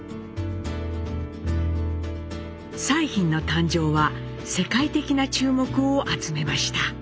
彩浜の誕生は世界的な注目を集めました。